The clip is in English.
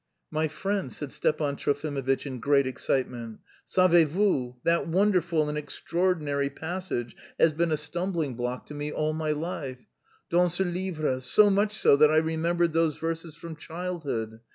'" "My friend," said Stepan Trofimovitch in great excitement "savez vous, that wonderful and... extraordinary passage has been a stumbling block to me all my life... dans ce livre.... so much so that I remembered those verses from childhood.